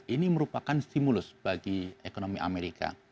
ini merupakan stimulus bagi ekonomi amerika